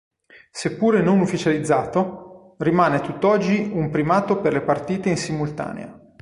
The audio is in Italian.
Seppure non ufficializzato, rimane a tutt'oggi un primato per le partite in simultanea.